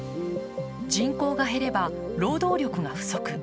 人口が減れば労働力が不足。